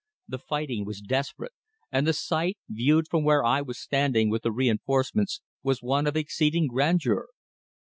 The fighting was desperate, and the sight, viewed from where I was standing with the reinforcements, was one of exceeding grandeur.